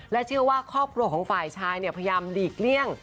เชื่อว่าครอบครัวของฝ่ายชายพยายามหลีกเลี่ยง